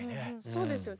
そうですよ。